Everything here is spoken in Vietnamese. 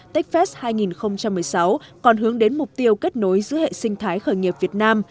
techfest hai nghìn một mươi sáu còn hướng đến mục tiêu kết nối giữa hệ sinh thái khởi nghiệp việt nam